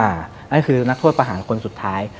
นั่นคือนักโทษประหารคนสุดท้าย